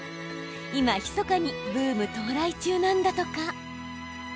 今、ひそかにブーム到来中なんだとか。